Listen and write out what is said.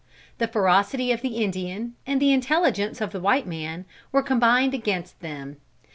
The ferocity of the Indian, and the intelligence of the white man, were combined against them.